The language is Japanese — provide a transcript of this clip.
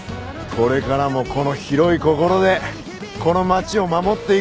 これからもこの広い心でこの街を守っていくぜ。